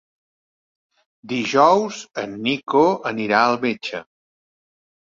Dijous en Nico anirà al metge.